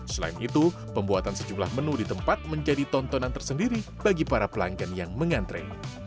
selain itu pembuatan sejumlah menu di tempat menjadi tontonan tersendiri bagi para pelanggan yang mengantre